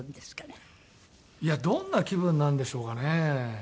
いやどんな気分なんでしょうかね。